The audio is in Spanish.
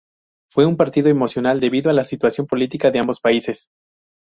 Fue un partido emocional debido a la situación política de ambos países.